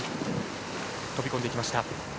飛び込んでいきました。